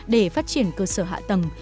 để phát triển cơ sở hạ tầng